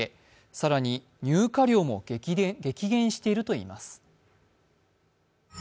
更に入荷量も激減しているといいます。